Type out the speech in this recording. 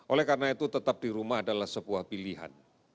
oleh karena itu tetap di rumah adalah sebuah pilihan